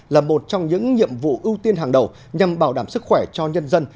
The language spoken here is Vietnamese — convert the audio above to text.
là một trong những nhiệm vụ ưu tiên hàng đầu nhằm bảo đảm sức khỏe cho nhân dân